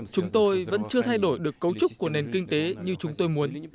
chúng tôi vẫn chưa thay đổi được cấu trúc của nền kinh tế như chúng tôi muốn